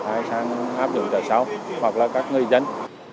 thay sang áp dụng trả sau hoặc là các ngư dân